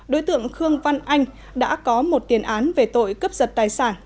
đối tượng khương văn anh đã có một tiền án về tội cướp giật tài sản